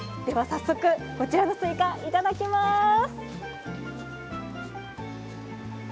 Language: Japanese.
では早速、こちらのスイカいただきます。